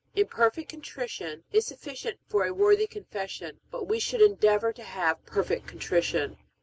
Imperfect contrition is sufficient for a worthy confession, but we should endeavor to have perfect contrition.